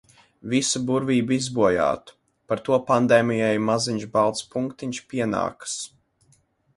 Visu burvību izbojātu. Par to pandēmijai maziņš balts punktiņš pienākas.